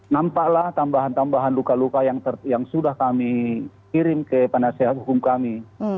nampaklah tambahan tambahan luka luka yang sudah kami kirim ke penasehat hukum kami